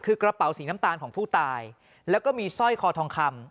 คือกระเป๋าสีน้ำตาลของผู้ตายแล้วก็มีสร้อยคอทองคำ